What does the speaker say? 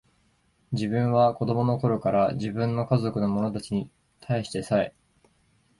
自分は子供の頃から、自分の家族の者たちに対してさえ、